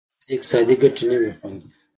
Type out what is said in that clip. یوازې اقتصادي ګټې نه وې خوندي.